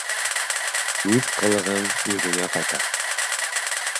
Уҙ ҡылығың үҙеңә ҡайта.